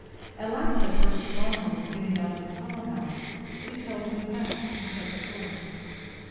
—At last I burst from him, and was getting out of the summer house; but he held me back, and shut the door.